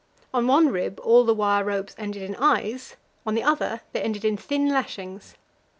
On one rib all the wire ropes ended in eyes; on the other they ended in thin lashings.